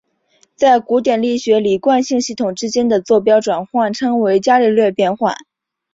在古典力学里惯性系统之间的座标转换称为伽利略变换。